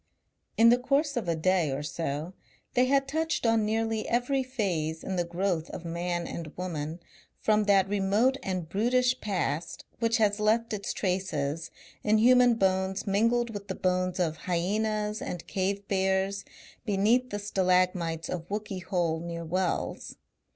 In the course of a day or so they had touched on nearly every phase in the growth of Man and Woman from that remote and brutish past which has left its traces in human bones mingled with the bones of hyaenas and cave bears beneath the stalagmites of Wookey Hole near Wells.